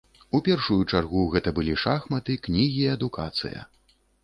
У першую чаргу гэта былі шахматы, кнігі і адукацыя.